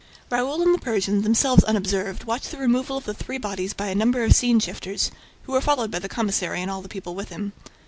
Raoul and the Persian, themselves unobserved, watched the removal of the three bodies by a number of scene shifters, who were followed by the commissary and all the people with him.